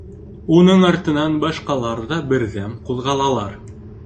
Уның артынан башҡалар ҙа берҙәм ҡуҙғалалар.